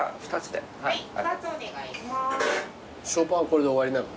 ショーパンこれで終わりなの？